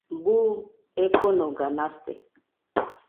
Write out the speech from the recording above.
Buu ekonoga nase